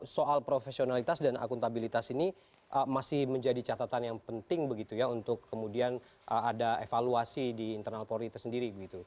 soal profesionalitas dan akuntabilitas ini masih menjadi catatan yang penting begitu ya untuk kemudian ada evaluasi di internal polri tersendiri